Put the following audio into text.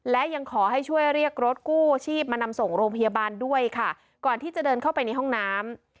และยังขอให้ช่วยเรียกรถกู้ชีพมานำส่งโรงพยาบาลด้วยค่ะก่อนที่จะเดินเข้าไปในห้องน้ำ